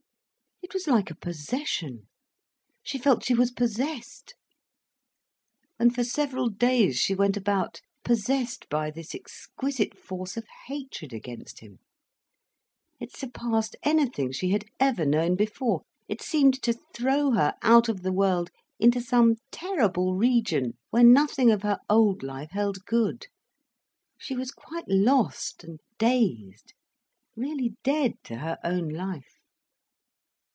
It was like a possession. She felt she was possessed. And for several days she went about possessed by this exquisite force of hatred against him. It surpassed anything she had ever known before, it seemed to throw her out of the world into some terrible region where nothing of her old life held good. She was quite lost and dazed, really dead to her own life.